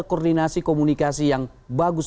koordinasi komunikasi yang bagus